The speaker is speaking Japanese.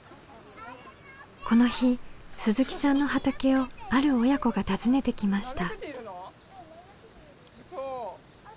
この日鈴木さんの畑をある親子が訪ねてきました。